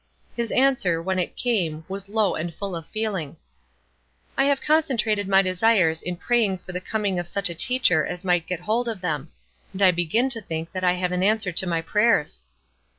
His answer, when it came, was low and full of feeling: "I have concentrated my desires in praying for the coming of such a teacher as might get hold of them; and I begin to think that I have an answer to my prayers."